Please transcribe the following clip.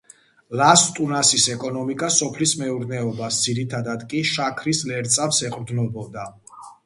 ლას-ტუნასის ეკონომიკა სოფლის მეურნეობას, ძირითადად კი შაქრის ლერწამს ეყრდნობა.